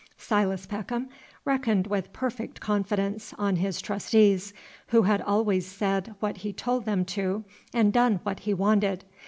Silas Peckham reckoned with perfect confidence on his Trustees, who had always said what he told them to, and done what he wanted.